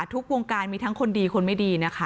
ทุกวงการมีทั้งคนดีคนไม่ดีนะคะ